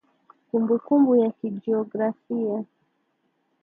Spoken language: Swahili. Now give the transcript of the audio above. Kumbukumbu ya kijiografia